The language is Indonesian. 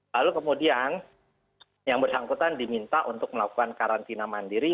lalu kemudian yang bersangkutan diminta untuk melakukan karantina mandiri